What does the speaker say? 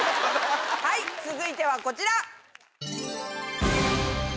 はい続いてはこちら。